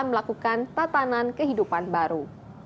dan melakukan tatanan kehidupan baru